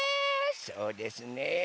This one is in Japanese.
そうですね。